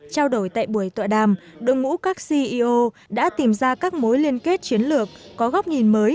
trao đổi tại buổi tọa đàm đội ngũ các ceo đã tìm ra các mối liên kết chiến lược có góc nhìn mới